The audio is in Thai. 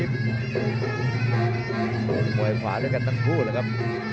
มุมมวยขวาด้วยกันตั้งคู่นะครับ